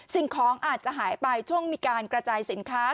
สิ่งของอาจจะหายไปช่วงมีการกระจายสินค้า